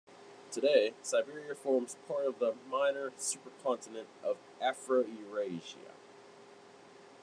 Today, Siberia forms part of the minor supercontinent of Afro-Eurasia.